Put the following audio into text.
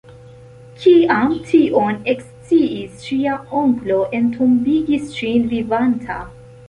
Kiam tion eksciis ŝia onklo entombigis ŝin vivanta.